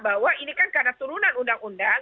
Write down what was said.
bahwa ini kan karena turunan undang undang